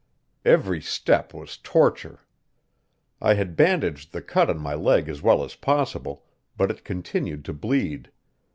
Every step was torture. I had bandaged the cut on my leg as well as possible, but it continued to bleed.